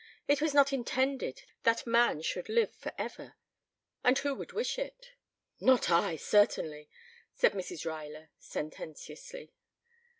It was not intended that man should live for ever. And who would wish it?" "Not I, certainly," said Mrs. Ruyler sententiously.